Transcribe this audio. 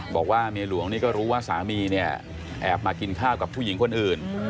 บอกว่าเมียหลวงนี่ก็รู้ว่าสามีเนี่ยแอบมากินข้าวกับผู้หญิงคนอื่น